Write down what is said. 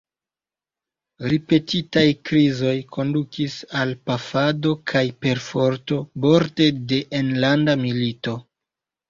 Ripetitaj krizoj kondukis al pafado kaj perforto, borde de enlanda milito.